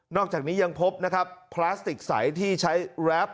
อกจากนี้ยังพบนะครับพลาสติกใสที่ใช้แรป